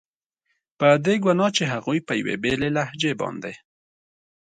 په دې ګناه چې هغوی په یوې بېلې لهجې باندې.